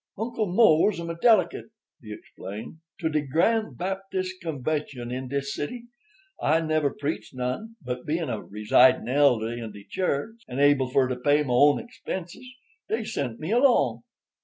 "Uncle Mose am a delicate," he explained, "to de grand Baptis' convention in dis city. I never preached none, but bein' a residin' elder in de church, and able fur to pay my own expenses, dey sent me along."